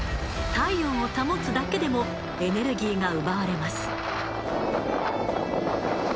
体温を保つだけでもエネルギーが奪われます。